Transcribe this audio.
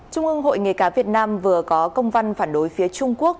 trung ương hội nghề cá việt nam vừa có công văn phản đối phía trung quốc